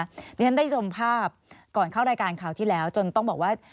เดี๋ยวฉันได้ชมภาพก่อนเข้ารายการคราวที่แล้วจนต้องบอกว่า